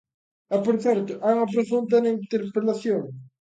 E, por certo, hai unha pregunta na interpelación.